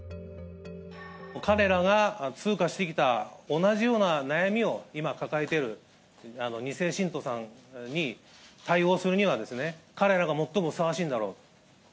彼らが通過してきた同じような悩みを、今抱えている２世信徒さんに対応するには、彼らが最もふさわしいんだろう。